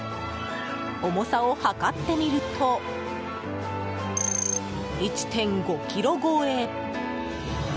重さを量ってみると１．５ｋｇ超え！